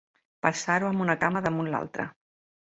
Passar-ho amb una cama damunt l'altra.